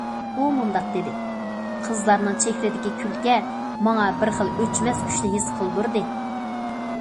ئۇ مۇنداق دېدى: قىزلارنىڭ چېھرىدىكى كۈلكە ماڭا بىر خىل ئۆچمەس كۈچنى ھېس قىلدۇردى.